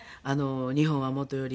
日本はもとより